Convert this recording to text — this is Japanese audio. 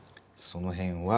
そのへんは。